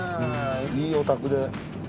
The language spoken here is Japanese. いいお宅で。